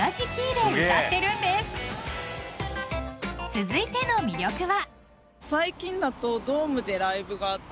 ［続いての魅力は］